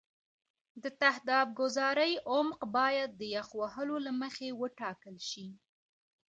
د تهداب ګذارۍ عمق باید د یخ وهلو له مخې وټاکل شي